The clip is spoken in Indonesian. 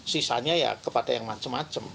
sisanya ya kepada yang macam macam